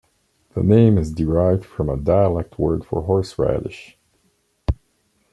The name is derived from a dialect word for horseradish.